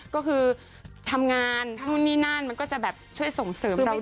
ก็คือทำงานถ้านู่นนี่นั่นมันก็จะแบบช่วยส่งเสริมเราได้